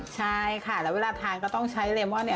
ใช่ค่ะแล้วเวลาทานก็ต้องใช้เลมอนเนี่ย